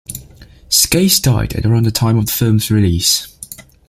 Skase died at around the time of the film's release.